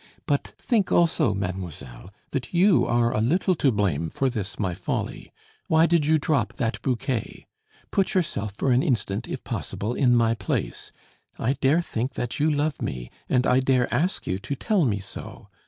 But think also, mademoiselle that you are a little to blame for this, my folly. Why did you drop that bouquet? Put yourself for an instant, if possible, in my place; I dare think that you love me, and I dare ask you to tell me so.